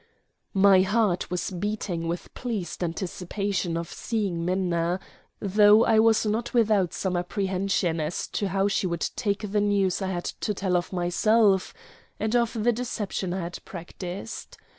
My heart was beating with pleased anticipation of seeing Minna, though I was not without some apprehension as to how she would take the news I had to tell of myself and of the deception I had practised.